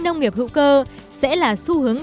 nông nghiệp hữu cơ sẽ là xu hướng